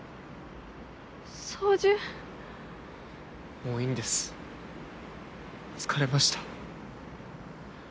もういいんです疲れました。